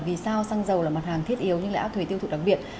vì sao xăng dầu là mặt hàng thiết yếu nhưng lại áp thuế tiêu thụ đặc biệt